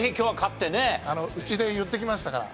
うちで言ってきましたから。